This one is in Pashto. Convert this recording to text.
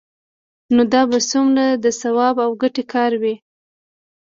نو دا به څومره د ثواب او ګټې کار وي؟